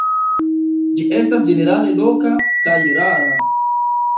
Ĝi estas ĝenerale loka kaj rara.